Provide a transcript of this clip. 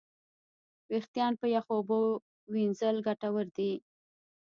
وېښتيان په یخو اوبو وینځل ګټور دي.